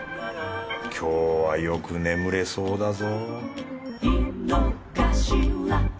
今日はよく眠れそうだぞ